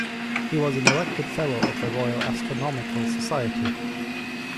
He was an elected fellow of the Royal Astronomical Society.